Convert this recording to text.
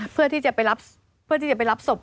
เพื่อที่จะไปรับสม